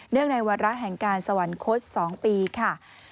เนื่องในวาระแห่งกาลสวรรคตสองปีค่ะ